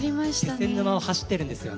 気仙沼を走ってるんですよね。